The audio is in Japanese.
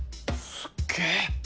すっげぇ！